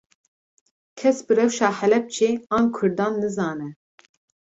Kes bi rewşa Helepçe an Kurdan nizane